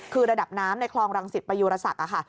คือระดับน้ำในคลองรังสิตประยุรศักดิ์ค่ะ